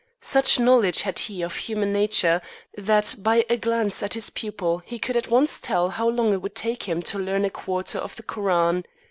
Such knowledge had he of human nature that by a glance at his pupil he could at once tell how long it would take him to learn a quarter of the Koran.